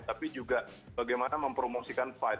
tapi juga bagaimana mempromosikan fight